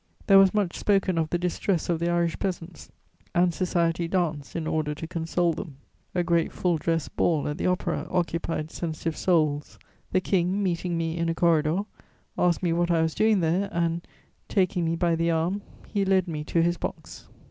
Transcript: There was much spoken of the distress of the Irish peasants, and society danced in order to console them. A great full dress ball at the Opera occupied sensitive souls. The King, meeting me in a corridor, asked me what I was doing there and, taking me by the arm, he led me to his box.